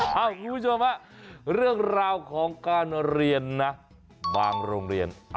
คุณผู้ชมฮะเรื่องราวของการเรียนนะบางโรงเรียน